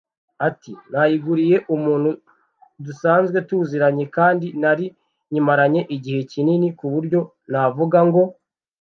Ati “Nayiguriye umuntu dusanzwe tuziranye kandi nari nyimaranye igihe kinini ku buryo ntavuga ngo nzabona fagitire yayo